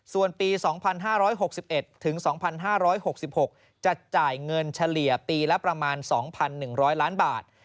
ส่วนปี๒๕๖๑ถึง๒๕๖๖จะจ่ายเงินเฉลี่ยปีละประมาณ๒๑๐๐ล้านบาท